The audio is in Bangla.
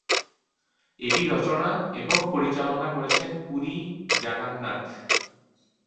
এটি রচনা এবং পরিচালনা করেছেন পুরি জাগান্নাধ।